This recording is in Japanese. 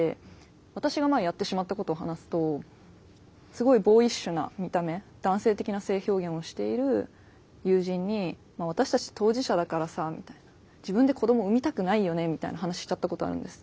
私が前やってしまったことを話すとすごいボーイッシュな見た目男性的な性表現をしている友人に「私たち当事者だからさ」みたいな「自分で子供産みたくないよね」みたいな話しちゃったことあるんです。